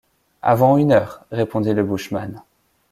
Avant une heure! répondit le bushman.